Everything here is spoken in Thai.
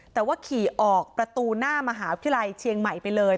แต่ว่าขี่ออกประตูหน้ามหาวิทยาลัยเชียงใหม่ไปเลย